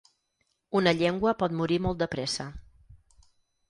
Una llengua pot morir molt de pressa.